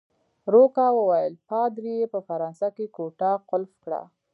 روکا وویل: پادري يې په فرانسه کې کوټه قلف کړه.